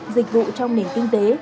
dịch vụ trong nền kinh tế